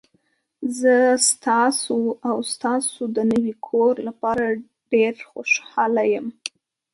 زه ستاسو او ستاسو د نوي کور لپاره ډیر خوشحاله یم.